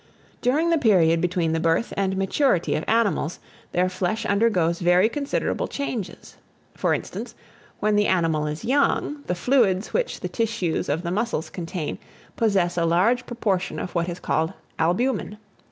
DURING THE PERIOD BETWEEN THE BIRTH AND MATURITY OF ANIMALS, their flesh undergoes very considerable changes. For instance, when the animal is young, the fluids which the tissues of the muscles contain, possess a large proportion of what is called albumen.